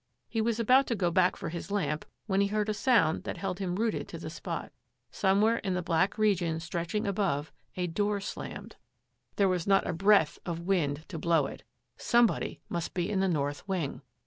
He was about to go back for his lamp when he heard a sound that held him rooted to the spot. Somewhere in the black region stretching above a door slammed. There was not a breath of wind to blow it. Somebody must be in the north wing!